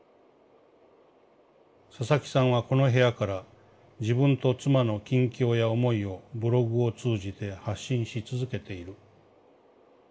「佐々木さんはこの部屋から自分と妻の近況や思いをブログを通じて発信し続けている。